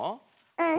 うん。